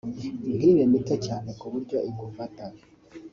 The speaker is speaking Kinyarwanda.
ntibe mito cyane ku buryo igufata